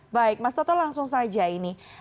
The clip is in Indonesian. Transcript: baik mas toto langsung saja ini